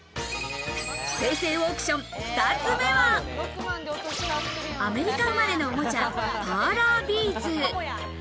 平成オークション、２つ目は、アメリカ生まれのおもちゃ、パーラービーズ。